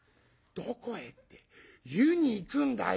「『どこへ？』って湯に行くんだよ。